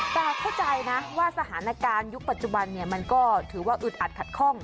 แต่เข้าใจนะว่าสถานการณ์ยุคปัจจุบันมันก็ถือว่าอึดอัดขัดข้อง